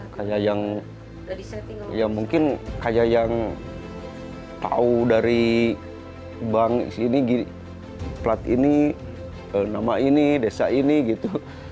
kayak yang ya mungkin kayak yang tahu dari bank sini plat ini nama ini desa ini gitu